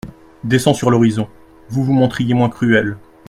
Descend sur l’horizon, vous vous montriez moins cruelle.